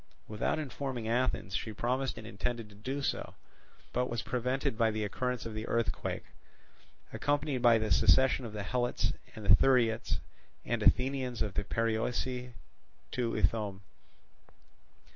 Without informing Athens, she promised and intended to do so, but was prevented by the occurrence of the earthquake, accompanied by the secession of the Helots and the Thuriats and Aethaeans of the Perioeci to Ithome.